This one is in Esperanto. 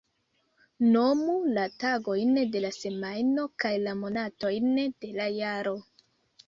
Nomu la tagojn de la semajno kaj la monatojn de la jaro.